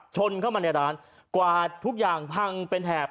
ชนเข้ามาในร้านกวาดทุกอย่างพังเป็นแถบ